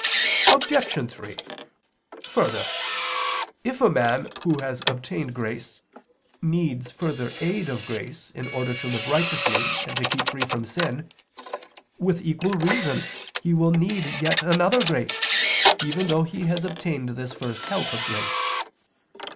Obj. 3: Further, if a man who has obtained grace needs further aid of grace in order to live righteously and to keep free from sin, with equal reason, will he need yet another grace, even though he has obtained this first help of grace.